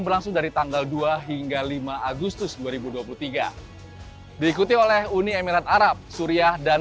berlangsung dari tanggal dua hingga lima agustus dua ribu dua puluh tiga diikuti oleh uni emirat arab suriah dan